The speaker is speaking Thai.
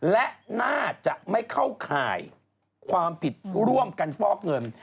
และน่าจะไม่เข้าข่ายความผิดร่วมกันฟอกเงิน